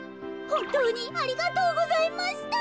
ほんとうにありがとうございました。